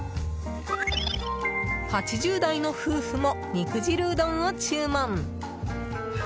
８０代の夫婦も肉汁うどんを注文。